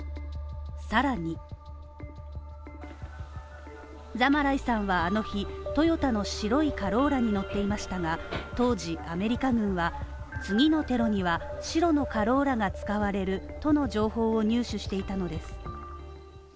さらにザマライさんはあの日、トヨタの白いカローラに乗っていましたが当時アメリカ人は、次のテロには白のカローラが使われるとの情報を入手していたのです。